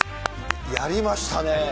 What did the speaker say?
やりましたね。